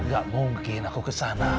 gak mungkin aku ke sana